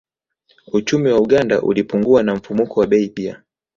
Uchumi wa Uganda ulipungua na mfumuko wa bei pia